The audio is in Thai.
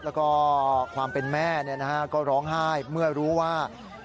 แล้วก็ความเป็นแม่ก็ร้องไห้เมื่อรู้ว่า